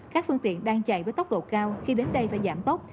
các phương tiện đang chạy với tốc độ cao khi đến đây và giảm tốc